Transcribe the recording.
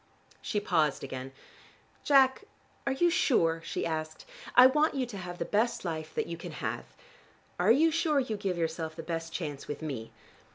She paused again. "Jack, are you sure?" she asked. "I want you to have the best life that you can have. Are you sure you give yourself the best chance with me?